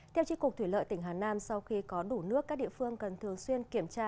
theo tri cục thủy lợi tỉnh hà nam sau khi có đủ nước các địa phương cần thường xuyên kiểm tra